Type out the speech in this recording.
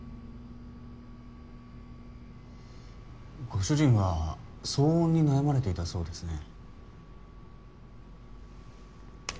ご主人は騒音に悩まれていたそうですね。